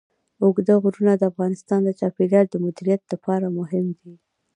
اوږده غرونه د افغانستان د چاپیریال د مدیریت لپاره مهم دي.